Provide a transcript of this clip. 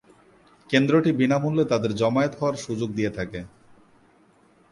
কেন্দ্রটি বিনামূল্যে তাদের জমায়েত হওয়ার সুযোগ দিয়ে থাকে।